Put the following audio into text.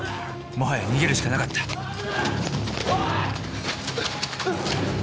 もはや逃げるしかなかったおい！